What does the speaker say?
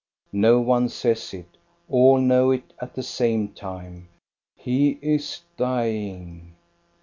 No one says it, all know it at the same time: "He is dying."